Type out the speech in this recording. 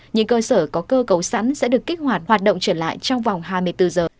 những cơ sở có cơ cấu sẵn sẽ được kích hoạt hoạt động trở lại trong vòng hai mươi bốn giờ